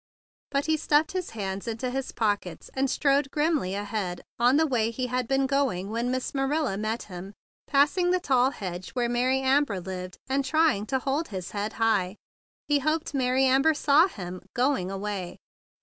But he stuffed his hands into his pockets, and strode grimly ahead on the way he had been going when Miss Marilla met him, passing the tall hedge where Mary Amber lived, and trying to hold his head high. He hoped Mary Amber saw him going away!